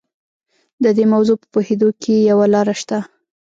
د دې موضوع په پوهېدو کې یوه لاره شته.